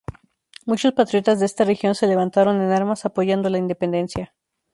Muchos patriotas de esta región se levantaron en armas apoyando la independencia.